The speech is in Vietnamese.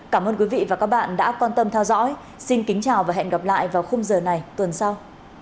cảm ơn các bạn đã quan tâm theo dõi xin kính chào và hẹn gặp lại vào khung giờ này tuần sau